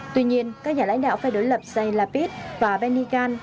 tuy nhiên các nhà lãnh đạo phe đối lập zayn lapid và benny ghan